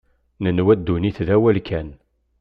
Nenwa ddunit d awal kan.